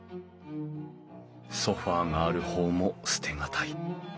ソファーがある方も捨て難い。